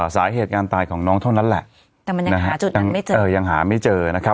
สาเหตุการตายของน้องเท่านั้นแหละแต่มันยังหาจุดนั้นไม่เจอยังหาไม่เจอนะครับ